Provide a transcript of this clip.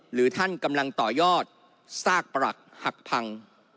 หรือท่านกำลังต่อยอดซากปรักหักพัง